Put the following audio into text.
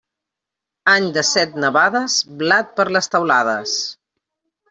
Any de set nevades, blat per les teulades.